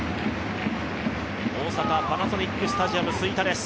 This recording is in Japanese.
大阪パナソニックスタジアム吹田です。